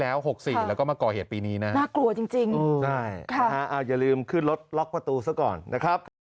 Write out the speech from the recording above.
และกลายใช้ความคิดเมื่อไม่ถูกแล้ว